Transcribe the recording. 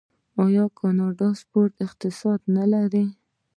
آیا کاناډا د سپورت اقتصاد نلري؟